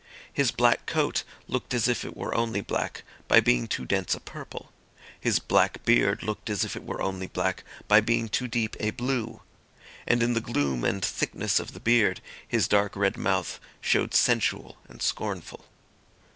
His black coat looked as if it were only black by being too dense a purple. His black beard looked as if it were only black by being too deep a blue. And in the gloom and thickness of the beard his dark red mouth showed sensual and scornful.